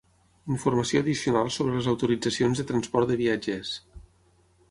Informació addicional sobre les autoritzacions de transport de viatgers.